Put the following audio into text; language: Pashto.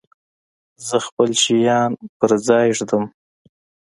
زه خپل شیان په ځای ږدم.